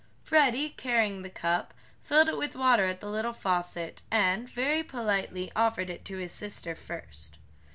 Freddie, carrying the cup, filled it with water at the little faucet, and, very politely, offered it to his sister first.